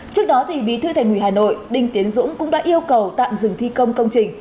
trước đó bí thư thành ủy hà nội đinh tiến dũng cũng đã yêu cầu tạm dừng thi công công trình